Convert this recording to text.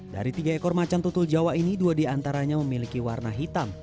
dari tiga ekor macan tutul jawa ini dua diantaranya memiliki warna hitam